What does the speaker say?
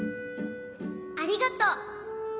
ありがとう。